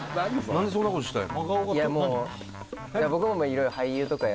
何でそんなことしたいの？